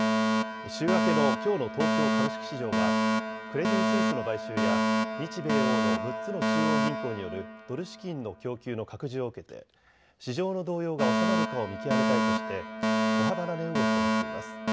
週明けのきょうの東京株式市場はクレディ・スイスの買収や日米欧の６つの中央銀行によるドル資金の供給の拡充を受けて市場の動揺が収まるかを見極めたいとして小幅な値動きとなっています。